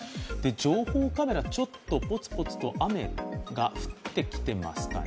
情報カメラ、ちょっとポツポツと雨が降ってきていますかね。